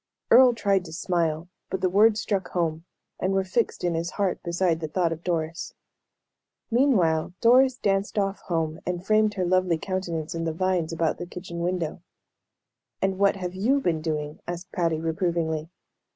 Earle tried to smile, but the words struck home, and were fixed in his heart beside the thought of Doris. Meanwhile Doris danced off home, and framed her lovely countenance in the vines about the kitchen window. "And what have you been doing?" asked Patty, reprovingly.